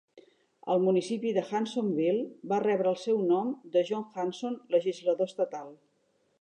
El municipi de Hansonville va rebre el seu nom de John Hanson, legislador estatal.